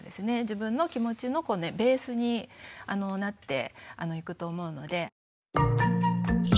自分の気持ちのベースになっていくと思うので。